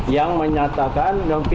yang mencari pembubaran pki